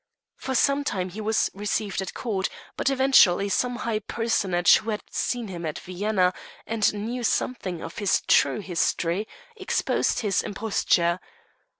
For some time he was received at Court, but eventually some high personage who had seen him at Vienna, and knew something of his true history, exposed his imposture.